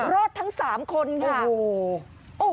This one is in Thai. รถทั้งสามคนค่ะโอ้โห